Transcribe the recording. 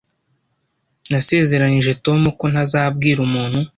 Nasezeranije Tom ko ntazabwira umuntu.